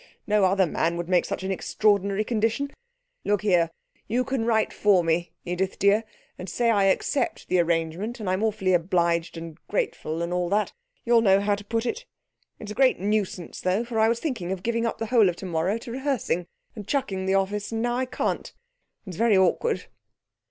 No other man would make such extraordinary conditions. Look here, you can write for me, Edith dear, and say I accept the arrangement, and I'm awfully obliged and grateful and all that. You'll know how to put it. It's a great nuisance though, for I was thinking of giving up the whole of tomorrow to rehearsing and chucking the office. And now I can't. It's very awkward.'